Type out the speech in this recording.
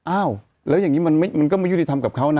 อ้าวแล้วอย่างนี้มันก็ไม่ยุติธรรมกับเขานะ